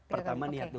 pertama niat dulu